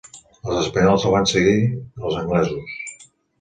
Als espanyols els van seguir els anglesos.